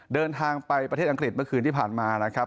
เดินทางไปประเทศอังกฤษเมื่อคืนที่ผ่านมานะครับ